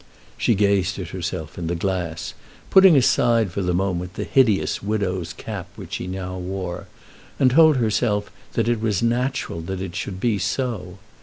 She gazed at herself in the glass, putting aside for the moment the hideous widow's cap which she now wore, and told herself that it was natural that it should be so.